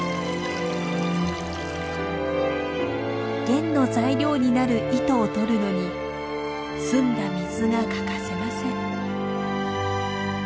弦の材料になる糸をとるのに澄んだ水が欠かせません。